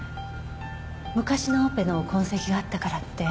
昔のオペの痕跡があったからって。